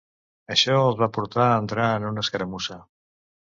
Això els va portar a entrar en una escaramussa.